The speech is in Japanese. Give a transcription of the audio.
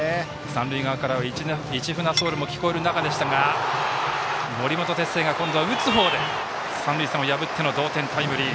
三塁側から「市船ｓｏｕｌ」も聞こえる中でしたが森本哲星が今度は打つ方で三塁線を破っての同点タイムリー。